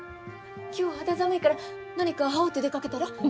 きょうは肌寒いから何か羽織って出かけたら？